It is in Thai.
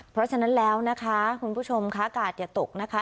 เพราะฉะนั้นแล้วนะคะคุณผู้ชมค่ะอากาศอย่าตกนะคะ